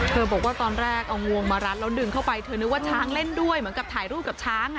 บอกว่าตอนแรกเอางวงมารัดแล้วดึงเข้าไปเธอนึกว่าช้างเล่นด้วยเหมือนกับถ่ายรูปกับช้าง